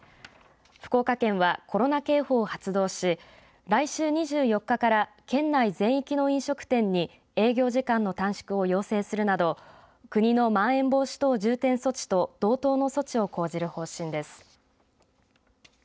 福岡県は、コロナ警報を発動し来週２４日から県内全域の飲食店に営業時間の短縮を要請するなど国のまん延防止等重点措置と同等の措置を講じる方針です。